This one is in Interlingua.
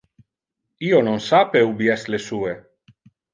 Io non sape ubi es le sue.